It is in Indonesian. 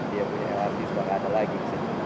dia punya artis bahkan ada lagi